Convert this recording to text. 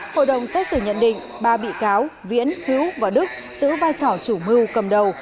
hội đồng xét xử nhận định ba bị cáo viễn hữu và đức giữ vai trò chủ mưu cầm đầu